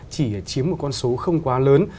chỉ chiếm một con số không quá lớn